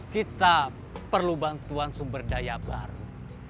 kita perlu bantuan sumber daya baru